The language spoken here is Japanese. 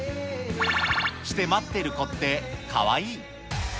×××して待ってる子ってかわいい。